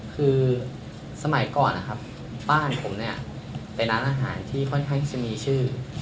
คือสมัยก่อนนะครับบ้านผมเนี่ยเป็นร้านอาหารที่ค่อนข้างที่จะมีชื่อ